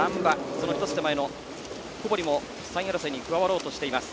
その１つ手前の小堀も３位争いに加わろうとしている。